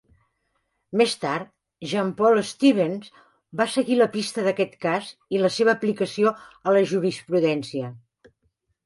Més tard, John Paul Stevens va seguir la pista d'aquest cas i la seva aplicació a la jurisprudència.